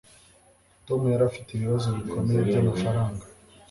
tom yari afite ibibazo bikomeye by'amafaranga